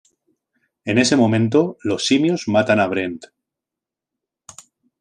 En ese momento los simios matan a Brent.